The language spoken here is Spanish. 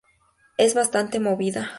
Es bastante movida".